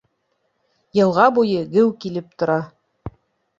Йылға буйы геү килеп тора.